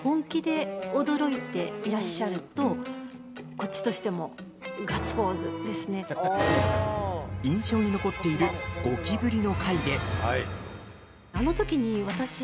こっちとしても印象に残っているゴキブリの回で。